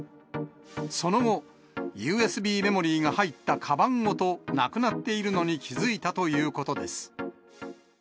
その後、ＵＳＢメモリーが入ったかばんごとなくなっているのに気付いたということです。